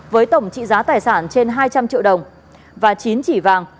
với tổng trị giá tài sản trên hai trăm linh triệu đồng và chín chỉ vàng